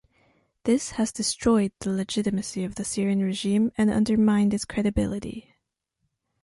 This has destroyed the legitimacy of the Syrian regime and undermined its credibility.